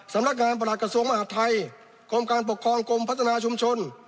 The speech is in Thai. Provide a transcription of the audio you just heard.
สำนักงานประหลักกระทรวงมหาดไทยกรมการปกครองกรมพัฒนาชุมชน